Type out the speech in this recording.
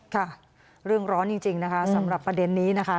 ค่ะเรื่องร้อนจริงนะคะสำหรับประเด็นนี้นะคะ